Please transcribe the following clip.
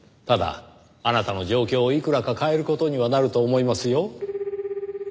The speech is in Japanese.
ただあなたの状況をいくらか変える事にはなると思いますよ。